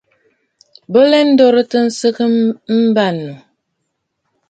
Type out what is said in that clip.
Bo lɛ ndoritə tsiʼi mbə̂nnù.